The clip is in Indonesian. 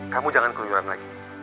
kamu jangan keluaran lagi